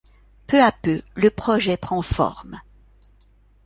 Peu à peu le projet prend forme.